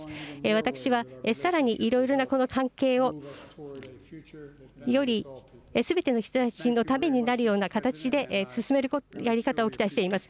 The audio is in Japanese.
私たちはさらにいろいろなこの関係をよりすべての人たちのためになるような形で進めるやり方を期待しています。